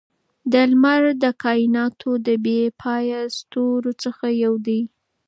لمر د کائناتو د بې پایه ستورو څخه یو دی.